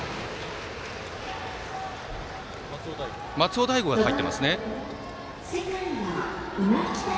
松尾大悟が入っていますね。